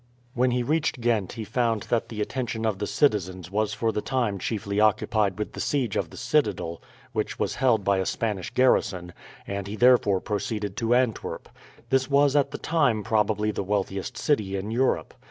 When he reached Ghent he found that the attention of the citizens was for the time chiefly occupied with the siege of the citadel, which was held by a Spanish garrison, and he therefore proceeded to Antwerp. This was at the time probably the wealthiest city in Europe.